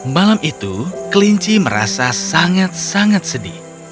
malam itu kelinci merasa sangat sangat sedih